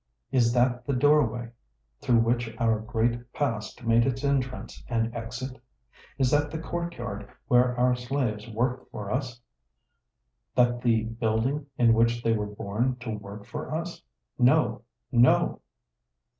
Is that the doorway through which our great Past made its entrance and exit? Is that the court yard where our slaves worked for us? That the building in which they were born to work for us ? No, no